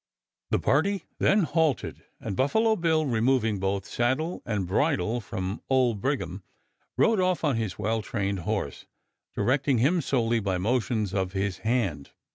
The party then halted, and Buffalo Bill, removing both saddle and bridle from Old Brigham, rode off on his well trained horse, directing him solely by motions of his hand.